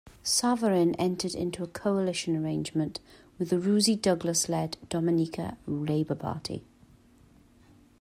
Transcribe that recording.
Savarin entered into a coalition arrangement with the Roosie Douglas-led Dominica Labour Party.